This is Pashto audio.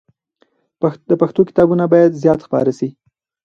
د پښتو کتابونه باید زیات خپاره سي.